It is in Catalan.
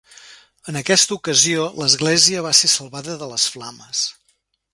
En aquesta ocasió l'església va ser salvada de les flames.